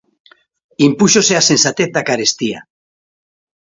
Impúxose a sensatez da carestía.